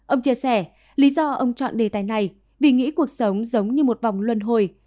ông chia sẻ lý do ông chọn đề tài này vì nghĩ cuộc sống giống như một vòng luân hồi